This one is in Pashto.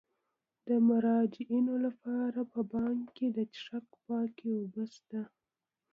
د مراجعینو لپاره په بانک کې د څښاک پاکې اوبه شته.